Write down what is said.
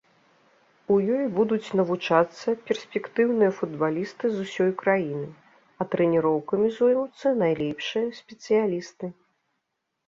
У ёй будуць навучацца перспектыўныя футбалісты з усёй краіны, а трэніроўкамі зоймуцца найлепшыя спецыялісты.